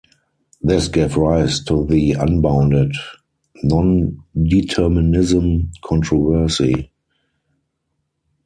This gave rise to the Unbounded nondeterminism controversy.